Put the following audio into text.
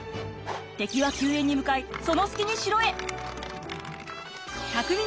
敵は救援に向かいその隙に城へ！